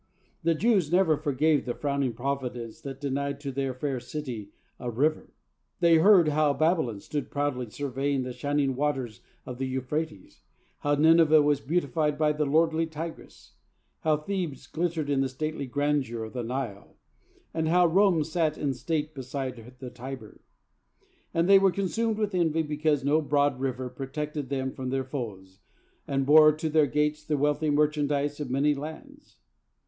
The Jews never forgave the frowning Providence that denied to their fair city a river. They heard how Babylon stood proudly surveying the shining waters of the Euphrates, how Nineveh was beautified by the lordly Tigris, how Thebes glittered in stately grandeur on the Nile, and how Rome sat in state beside the Tiber; and they were consumed with envy because no broad river protected them from their foes, and bore to their gates the wealthy merchandise of many lands.